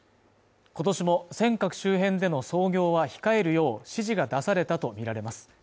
今年も尖閣周辺での操業は控えるよう指示が出されたと見られます